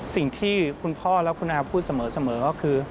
สิ่งที่คุณพ่อและคุณอาพูดเสมอก็คือ